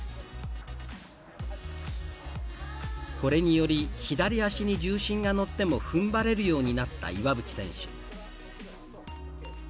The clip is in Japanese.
これにより左足に重心が乗ってもふんばれるようになった岩渕選手。